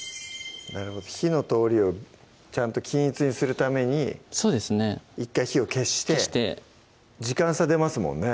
なるほど火の通りをちゃんと均一にするために１回火を消して消して時間差出ますもんね